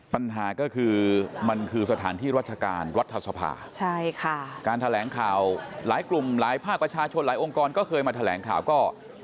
ปัญหาก็คือมันคือสถานที่รัชการรัฐสภาใช่ค่ะการแถลงข่าวหลายกลุ่มหลายภาคประชาชนหลายองค์กรก็เคยมาแถลงข่าวก็